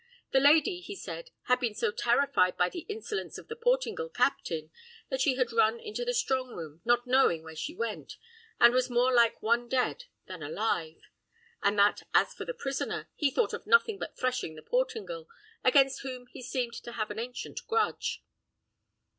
The lady, he said, had been so terrified by the insolence of the Portingal captain, that she had run into the strong room, not knowing where she went, and was more like one dead than alive; and that as for the prisoner, he thought of nothing but threshing the Portingal, against whom he seemed to have an ancient grudge.